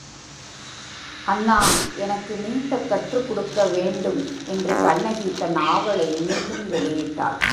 அண்ணா, எனக்கு நீந்தக் கற்றுக்கொடுக்க வேண்டும் என்று கண்ணகி தன் ஆவலை மீண்டும் வெளியிட்டாள்.